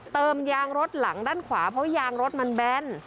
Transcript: เติมยางรถหลังด้านขวาเพราะยางรถมันแบน